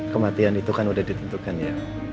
kematian itu kan udah ditentukan ya